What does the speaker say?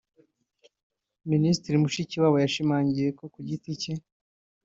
Minisitiri Mushikiwabo yashimangiye ko ku giti cye